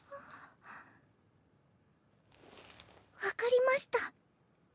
分かりました。